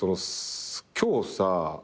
「今日さ」